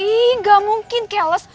ih gak mungkin keles